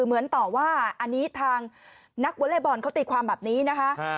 เหมือนต่อว่าอันนี้ทางนักวอเล็กบอลเขาตีความแบบนี้นะคะ